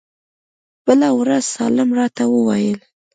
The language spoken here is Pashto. بله ورځ سالم راته وويل.